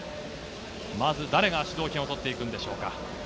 まず誰が主導権を取っていくんでしょうか。